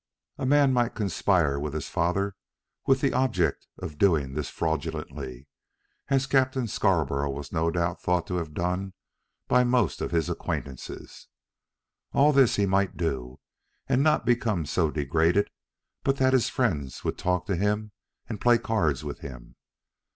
A man might conspire with his father with the object of doing this fraudulently, as Captain Scarborough was no doubt thought to have done by most of his acquaintances. All this he might do and not become so degraded but that his friends would talk to him and play cards with him.